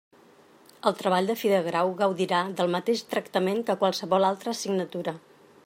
El treball de fi de grau gaudirà del mateix tractament que qualsevol altra assignatura.